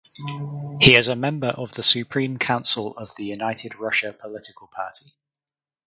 He is Member of the Supreme Council of the United Russia political Party.